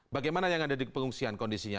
bagaimana yang ada di pengungsian kondisinya